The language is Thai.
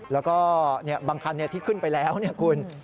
แล้วก็บางคันที่ขึ้นไปแล้วคุณ